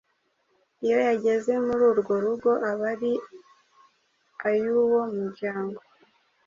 iyo yageze muri urwo rugo, aba ari ay’uwo muryango.